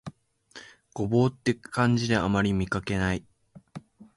牛蒡って漢字であまり見かけない